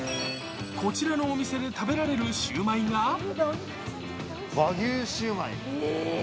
こちらのお店で食べられるシ和牛焼売。